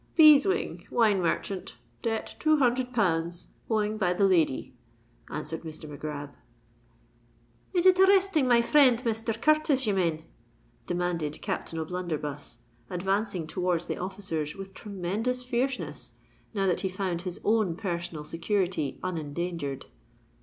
"Beeswing, wine merchant—debt, two hundred pounds, owing by the lady," answered Mr. Mac Grab. "Is it arresting my friend Misther Curtis, ye mane?" demanded Captain O'Blunderbuss, advancing towards the officers with tremendous fierceness, now that he found his own personal security unendangered.